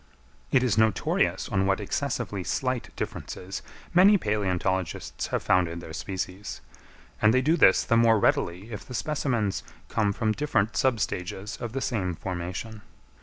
It is notorious on what excessively slight differences many palæontologists have founded their species; and they do this the more readily if the specimens come from different sub stages of the same formation.